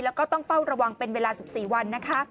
แล้วก็ต้องเฝ้าระวังเป็นเวลา๑๔วันนะคะ